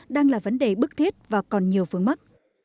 đang là vấn đề bức thiết và còn nhiều phương mắc